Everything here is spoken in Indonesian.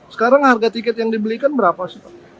sekarang harga tiket yang dibelikan berapa sih pak